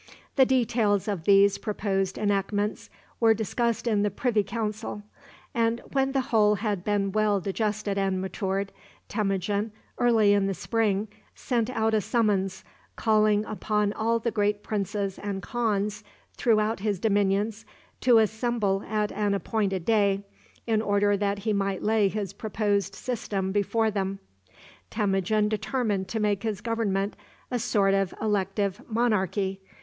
The details of these proposed enactments were discussed in the privy council, and, when the whole had been well digested and matured, Temujin, early in the spring, sent out a summons, calling upon all the great princes and khans throughout his dominions to assemble at an appointed day, in order that he might lay his proposed system before them. Temujin determined to make his government a sort of elective monarchy.